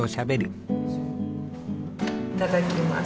いただきます。